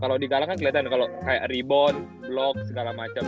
kalau di galang kan keliatan kalo kayak ribone blok segala macem